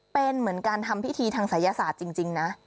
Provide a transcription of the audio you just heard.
เป็นเหมือนการทำพิธีทางศัยศาสตร์จริงนะ